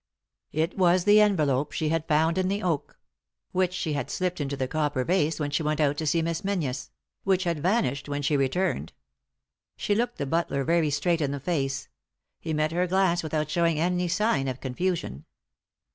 It was the envelope which she had found in the oak; which she had slipped into the copper vase when she went out to see Miss Menzies ; which had vanished when she returned. She looked the butler very straight in the face ; he met her glance without showing any sign of confusion.